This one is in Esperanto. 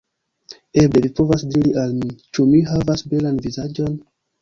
Eble vi povas diri al mi: ĉu mi havas belan vizaĝon?